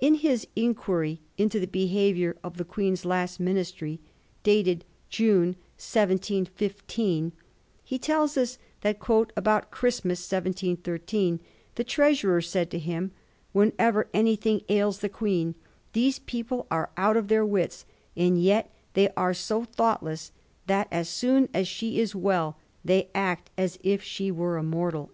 In his * Enquiry into the Behaviour of the Queen's Last Ministry,' dated June 1715, he tells us that * about Christmas 1713' 'the treasurer ' said to him, ' whenever anything ails the Queen these people are out of their wits ; and yet they are so thoughtless that as soon as she is well they act as if she were immortal.'